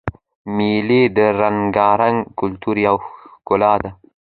مېلې د رنګارنګ کلتور یوه ښکلا ده.